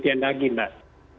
itu yang lagi mas